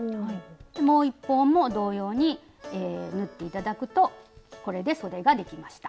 もう一方も同様に縫っていただくとこれでそでができました。